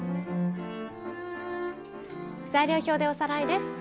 材料表でおさらいです。